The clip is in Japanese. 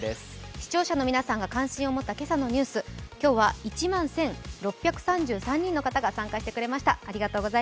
視聴者の皆さんが関心を持った今朝のニュース、今日は１万１６３３人の方が参加してくれました。